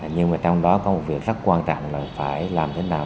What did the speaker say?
nhưng mà trong đó có một việc rất quan trọng là phải làm thế nào